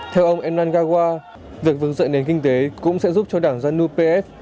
theo ông enan gawa việc vững dậy nền kinh tế cũng sẽ giúp cho đảng janu pf